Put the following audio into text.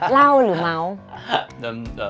เล่าหรือเมาส์